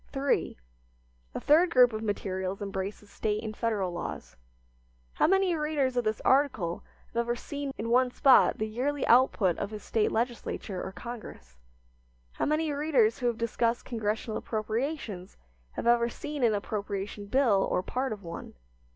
III. A third group of materials embraces State and Federal laws. How many readers of this article have ever seen in one spot the yearly output of his State legislature or Congress? How many readers who have discussed Congressional appropriations have ever seen an appropriation bill or part of one?